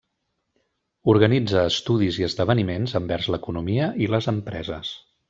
Organitza estudis i esdeveniments envers l'economia i les empreses.